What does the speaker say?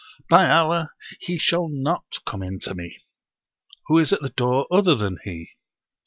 By Allah! he shall not come in to me! Who is at the door other than he?"